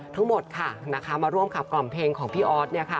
ทั้งหมดค่ะมาร่วมขับกล่อมเพลงของพี่ออสเนี่ยค่ะ